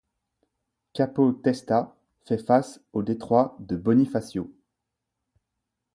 Capo Testa fait face au détroit de Bonifacio.